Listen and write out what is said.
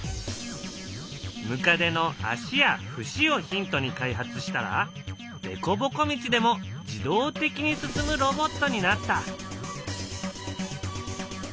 ムカデの足や節をヒントに開発したらでこぼこ道でも自動的に進むロボットになった。